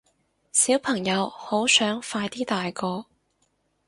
小朋友好想快啲大個